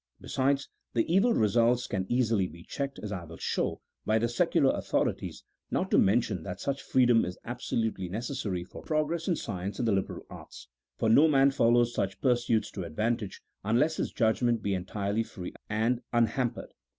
Besides, the evil results can easily be checked, as I will show, by the secular authorities, not to mention that such freedom is absolutely necessary for progress in science and the liberal arts : for no man follows such pursuits to advantage unless his judg ment be entirely free and unhampered.